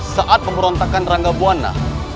saat pemberontakan rangga buwana